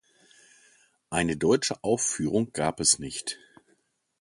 Eine deutsche Aufführung gab es nicht.